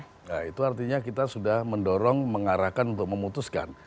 nah itu artinya kita sudah mendorong mengarahkan untuk memutuskan